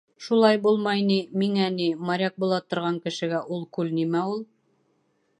Шулай булмай ни, миңә ни, моряк була торған кешегә, ул күл нимә ул?..